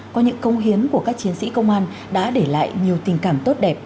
có những công hiến của các chiến sĩ công an đã để lại nhiều tình cảm tốt đẹp